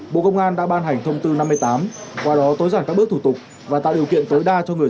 bộ công an đã ban hành thông tư năm mươi tám qua đó tối giản các bước thủ tục và tạo điều kiện tối đa cho người dân